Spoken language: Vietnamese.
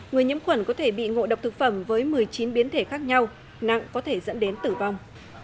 người nhiễm khuẩn có thể bị ngộ độc thực phẩm với một mươi chín biến thể khác nhau nặng có thể dẫn đến tử vong